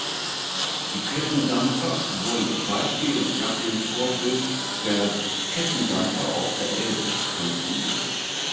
Die Kettendampfer wurden weitgehend nach dem Vorbild der Kettendampfer auf der Elbe konstruiert.